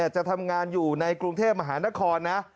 จะทำงานอยู่ในกรุงเทพมหานครนะ